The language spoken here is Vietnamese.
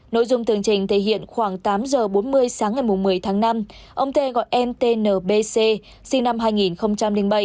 nội dung tương trình thể hiện khoảng tám h bốn mươi sáng ngày một mươi tháng năm ông t gọi em tnbc sinh năm hai nghìn bảy